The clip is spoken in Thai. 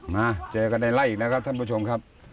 มาเจอกันในไล่อีกนะครับท่านผู้ชมครับ